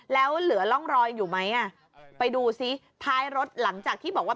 แล้วเหลือร่องรอยอยู่ไหมอ่ะไปดูซิท้ายรถหลังจากที่บอกว่า